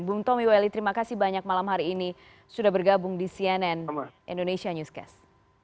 bung tommy welly terima kasih banyak malam hari ini sudah bergabung di cnn indonesia newscast